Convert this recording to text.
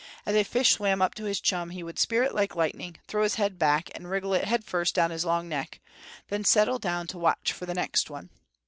As a fish swam up to his chum he would spear it like lightning; throw his head back and wriggle it head first down his long neck; then settle down to watch for the next one.